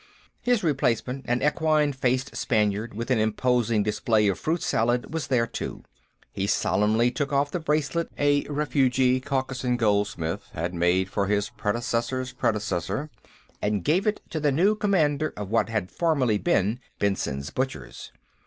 His replacement, an equine faced Spaniard with an imposing display of fruit salad, was there, too; he solemnly took off the bracelet a refugee Caucasian goldsmith had made for his predecessor's predecessor and gave it to the new commander of what had formerly been Benson's Butchers.